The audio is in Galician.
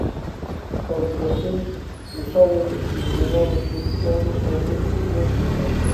Ao parecer, o sábado empeoraba o seu estado ao ter un pulmón encharcado.